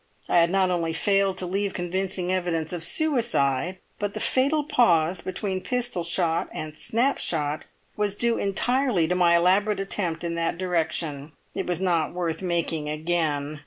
I had not only failed to leave convincing evidence of suicide, but the fatal pause between pistol shot and snap shot was due entirely to my elaborate attempt in that direction. It was not worth making again.